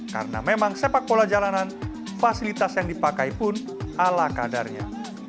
karena memang sepak bola jalanan fasilitas yang dipakai pun ala kadarnya